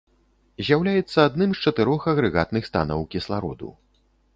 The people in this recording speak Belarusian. З'яўляецца адным з чатырох агрэгатных станаў кіслароду.